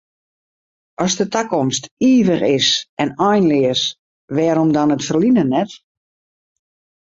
As de takomst ivich is en einleas, wêrom dan it ferline net?